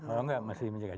kalau enggak masih mencegah